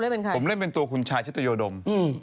ผมเล่นเป็นตัวคุณชายชัตยดม